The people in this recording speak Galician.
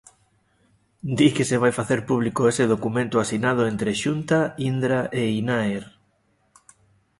Di que se vai facer público ese documento asinado entre Xunta, Indra e Inaer.